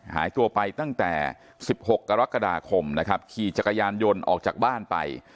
หายตัวไปตั้งแต่๑๖กรกฎาคมนะครับขี่จักรยานยนต์ออกจากบ้านไป